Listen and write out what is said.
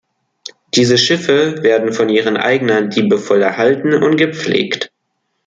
Diese Schiffe werden von ihren Eignern liebevoll erhalten und gepflegt.